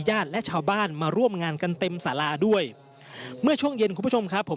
ญาติและชาวบ้านมาร่วมงานกันเต็มสาราด้วยเมื่อช่วงเย็นคุณผู้ชมครับผม